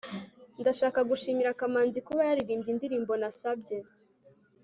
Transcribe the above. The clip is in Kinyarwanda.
ndashaka gushimira kamanzi kuba yaririmbye indirimbo nasabye